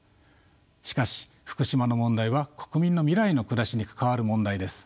しかし福島の問題は国民の未来の暮らしに関わる問題です。